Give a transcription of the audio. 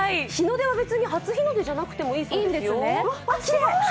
日の出は別に初日の出じゃなくてもいいんですね。